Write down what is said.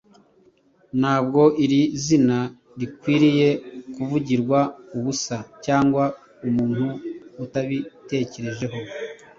Ntabwo iri zina rikwiriye kuvugirwa ubusa cyangwa umuntu atabitekerejeho.